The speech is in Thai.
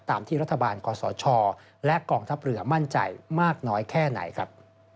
ตามที่รัฐบาลกศชและกองทัพเรือมั่นใจมากน้อยแค่ไหนครับ